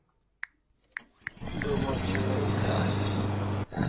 Du moch shaya eta aini